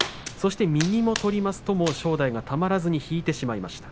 右を取りますと正代たまらず引いてしまいました。